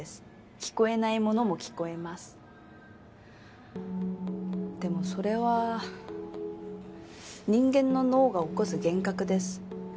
聞こえないものも聞こえますでもそれは人間の脳が起こす幻覚です